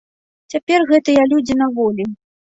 Цяпер гэтыя людзі на волі.